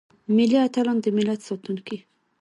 ملي اتلان دملت ساتونکي.